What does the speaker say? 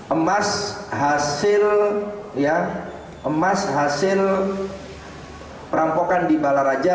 emas hasil perampokan di balaraja